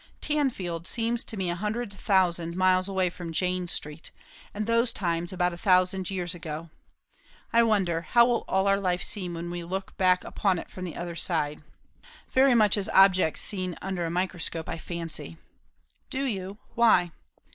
Tanfield seems to me a hundred thousand miles away from Jane Street; and those times about a thousand years ago. I wonder, how will all our life seem when we look back upon it from the other side?" "Very much as objects seen under a microscope, I fancy." "Do you? Why?"